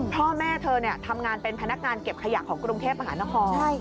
พ่อแม่เธอทำงานเป็นพนักงานเก็บขยะของกรุงเทพมหานคร